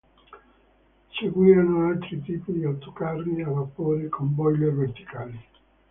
Seguirono altri tipi di autocarri a vapore con boiler verticali.